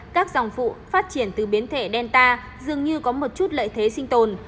các dòng phụ phát triển từ biến thể delta dường như có một chút lợi thế sinh tồn